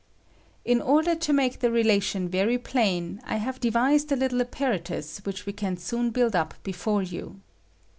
In order to make the relation very plain, I have devised a little apparatus which we can soon build up before you.